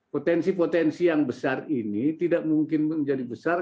potensi potensi yang besar ini tidak mungkin menjadi besar